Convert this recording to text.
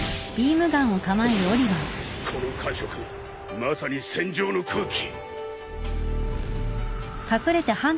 この感触まさに戦場の空気。